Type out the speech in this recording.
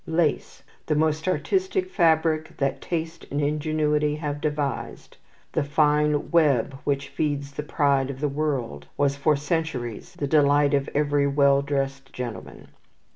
Lace, the most artistic fabric that taste and ingenuity have devised, "the fine web which feeds the pride of the world," was for centuries the delight of every well dressed gentleman.